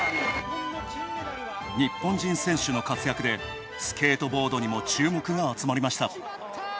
日本人選手の活躍でスケートボードにも注目が集まりました。